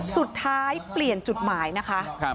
สุดท้ายเปลี่ยนจุดหมายนะคะ